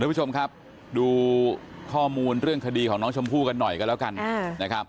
คุณผู้ชมครับดูข้อมูลเรื่องคดีของน้องชมพู่กันหน่อยกันแล้วกันนะครับ